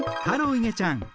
いげちゃん。